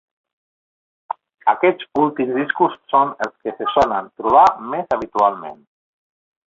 Aquests últims discos són els que se solen trobar més habitualment.